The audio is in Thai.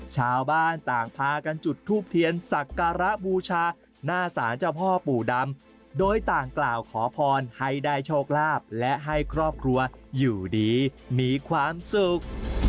ชาวบ้านต่างพากันจุดทูบเทียนสักการะบูชาหน้าศาลเจ้าพ่อปู่ดำโดยต่างกล่าวขอพรให้ได้โชคลาภและให้ครอบครัวอยู่ดีมีความสุข